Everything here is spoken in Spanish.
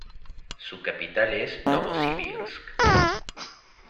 Su capital es Novosibirsk.